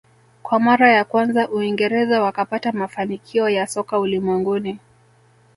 Kwa mara ya kwanza uingereza wakapata mafanikio ya soka ulimwenguni